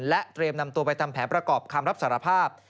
เตรียมนำตัวไปทำแผนประกอบคำรับสารภาพ